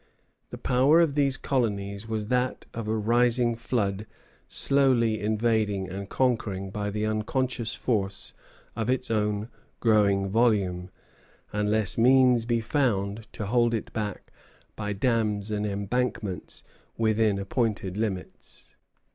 The power of these colonies was that of a rising flood slowly invading and conquering, by the unconscious force of its own growing volume, unless means be found to hold it back by dams and embankments within appointed limits.